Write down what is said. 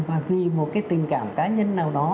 và vì một cái tình cảm cá nhân nào đó